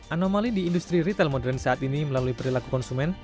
anomali di industri retail modern saat ini melalui perilaku konsumen